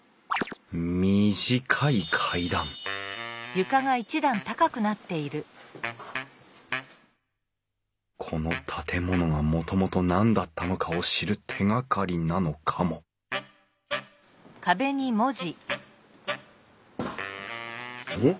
短い階段この建物がもともと何だったのかを知る手がかりなのかもん？